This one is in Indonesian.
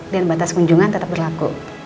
batas kunjungan tetap berlaku